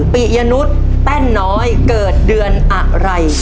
ปิยนุษย์แป้นน้อยเกิดเดือนอะไร